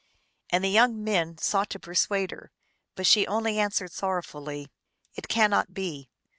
And the young men sought to persuade her, but she only answered sorrow fully, " It cannot be."